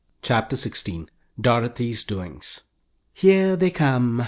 CHAPTER XVI DOROTHY'S DOINGS "Here they come!"